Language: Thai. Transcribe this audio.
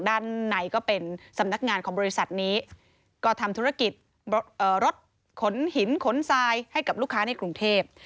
ด้านในก็เป็นสำนักงานของบริษัทนี้ก็ทำธุรกิจรถขนหินขนทรายให้กับลูกค้าในกรุงเทพ